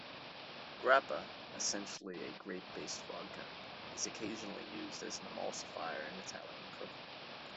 Grappa, essentially a grape-based vodka, is occasionally used as an emulsifier in Italian cooking.